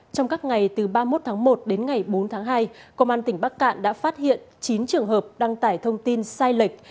trong các ngày từ ba mươi một tháng một đến ngày bốn tháng hai công an tỉnh bắc cạn đã phát hiện chín trường hợp đăng tải thông tin sai lệch